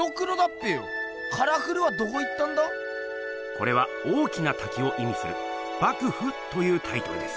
これは大きなたきをいみする「瀑布」というタイトルです。